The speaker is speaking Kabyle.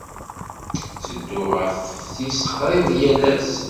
Ttedduɣ ɣer teftist qrib yal ass.